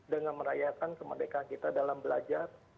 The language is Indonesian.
dengan merayakan kemerdekaan kita dalam belajar